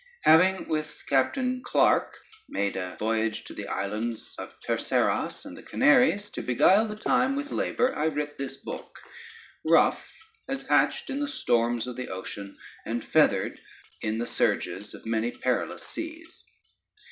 Having with Captain Clarke made a voyage to the island of Terceras and the Canaries, to beguile the time with labor I writ this book; rough, as hatched in the storms of the ocean, and feathered in the surges of many perilous seas.